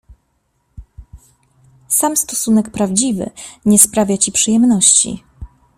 Sam stosunek prawdziwy nie sprawia ci przyjemności.